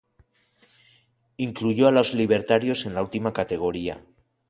Incluyó a los libertarios en la última categoría.